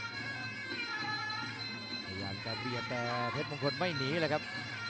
พยายามจะเบียดแต่ว่าเพชรมงคลไม่หนีเลยครับ